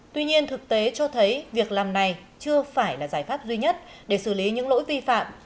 tuy nhiên thực tế cho thấy việc làm này chưa phải là giải pháp duy nhất để xử lý những lỗi vi phạm